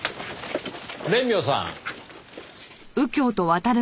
蓮妙さん。